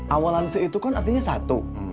awal lansi itu kan artinya satu